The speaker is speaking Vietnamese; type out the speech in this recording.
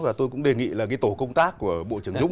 và tôi cũng đề nghị là cái tổ công tác của bộ trưởng chúng